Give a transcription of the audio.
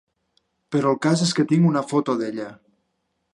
Però el cas és que tinc una foto d'ella.